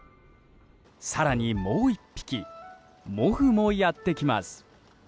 更にもう１匹モフもやってきます。